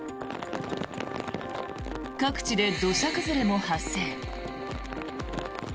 各地で土砂崩れも発生。